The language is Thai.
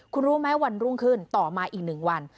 คุณรู้ไหมวันรุ่งขึ้นต่อมาอีก๑วัน